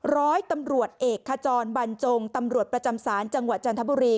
ร้อยตำรวจเอกขจรบรรจงตำรวจประจำศาลจังหวัดจันทบุรี